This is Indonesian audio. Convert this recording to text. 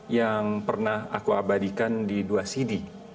yang pernah aku abadikan di dua cd